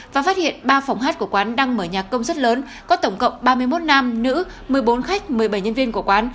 và phát hiện ba phòng hát của quán đang mở nhạc công rất lớn có tổng cộng ba mươi một nam nữ một mươi bốn khách một mươi bảy nhân viên của quán